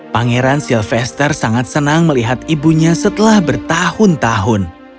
pangeran silvester sangat senang melihat ibunya setelah bertahun tahun